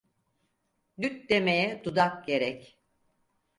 Düt demeye dudak gerek.